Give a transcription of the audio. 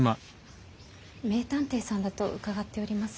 名探偵さんだと伺っております。